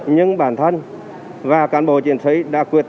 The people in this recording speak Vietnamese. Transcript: nhưng bản thân và cảnh bộ chiến sĩ đã quyết tâm